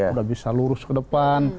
sudah bisa lurus ke depan